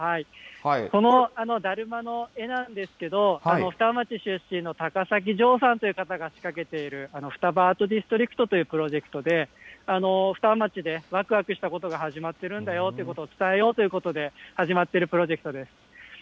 このダルマの絵なんですけど、双葉町出身の高崎丈さんという方が仕掛けている双葉アートディストリクトというプロジェクトで、双葉町でわくわくしたことが始まってるんだよということを伝えようということで、始まっているプロジェクトです。